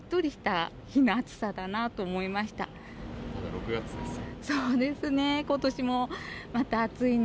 まだ６月ですよ。